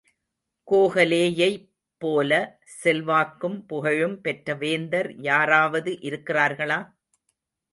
கோகலேயைப் போல செல்வாக்கும் புகழும் பெற்ற வேந்தர் யாராவது இருக்கிறார்களா?